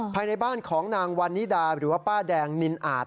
ภายในบ้านของนางวันนิดาหรือว่าป้าแดงนินอาจ